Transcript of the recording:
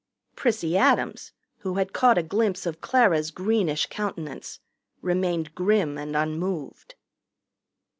Prissy Adams, who had caught a glimpse of Clara's greenish countenance, remained grim and unmoved.